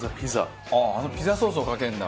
あのピザソースをかけるんだ。